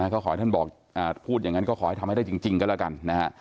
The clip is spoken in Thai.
ก็ขอให้ท่านบอกพูดอย่างนั้นก็ขอให้ทำให้ได้จริงก็แล้วกันนะฮะ